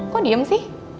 kok diem sih